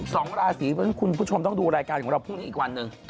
สองราศีเพราะฉะนั้นคุณผู้ชมต้องดูรายการของเราพรุ่งนี้อีกวันหนึ่ง